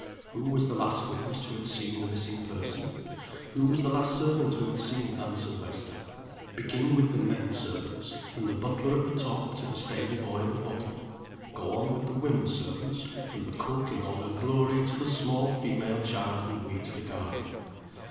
Who was the last witness who had seen the missing person? Who was the last servant who had seen Anne Silvester? Begin with the men servants, from the butler at the top to the stable boy at the bottom. Go on with the women servants, from the cook in all her glory to the small female child who weeds the garden.